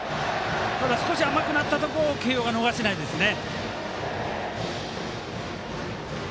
少し甘くなったところを慶応が逃してないですね。